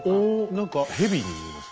何か蛇に見えますね。